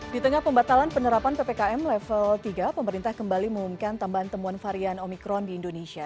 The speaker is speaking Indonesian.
di tengah pembatalan penerapan ppkm level tiga pemerintah kembali mengumumkan tambahan temuan varian omikron di indonesia